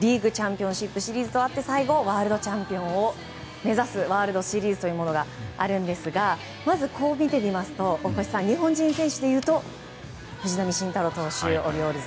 リーグチャンピオンシップシリーズとあって最後、ワールドチャンピオンを目指すワールドシリーズがあるんですがまずこう見てみますと、大越さん日本人選手でいうと藤浪晋太郎選手のオリオールズ